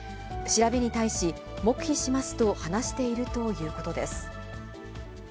調べに対し、黙秘しますと話しているということです。